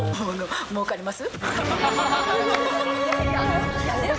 もうかります。